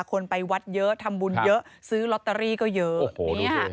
คนไปวัดเยอะทำบุญเยอะซื้อลอตเตอรี่ก็เยอะ